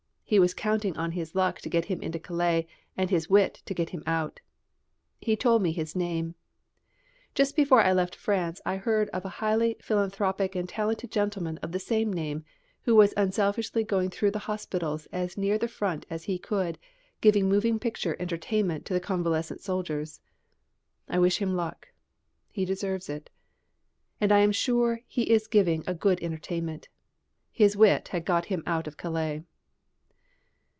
He was counting on his luck to get him into Calais and his wit to get him out. He told me his name. Just before I left France I heard of a highly philanthropic and talented gentleman of the same name who was unselfishly going through the hospitals as near the front as he could, giving a moving picture entertainment to the convalescent soldiers. I wish him luck; he deserves it. And I am sure he is giving a good entertainment. His wit had got him out of Calais!